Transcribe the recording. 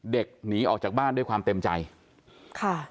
หนีออกจากบ้านด้วยความเต็มใจค่ะ